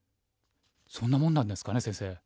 そんなもんなんですかね先生。